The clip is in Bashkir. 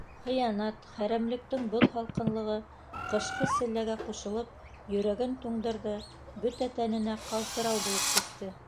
Хыянат, хәрәмлектең боҙ һалҡынлығы, ҡышҡы селләгә ҡушылып, йөрәген туңдырҙы, бөтә тәненә ҡалтырау булып күсте.